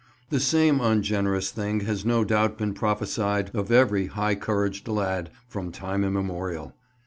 The same ungenerous thing has no doubt been prophesied of every high couraged lad from time immemorial.